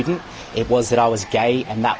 dan dari saat itu